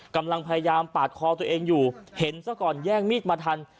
กำลังพยายามปาดคอตัวเองอยู่เห็นซะก่อนแย่งมีดมาทัน